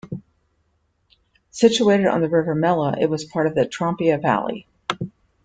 Situated on the river Mella, it is part of the Trompia valley.